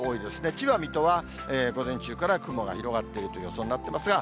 千葉、水戸は午前中から雲が広がっているという予想になっていますが。